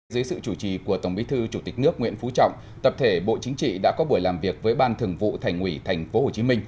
dưới sự chủ trì của tổng bí thư chủ tịch nước nguyễn phú trọng tập thể bộ chính trị đã có buổi làm việc với ban thường vụ thành ủy tp hcm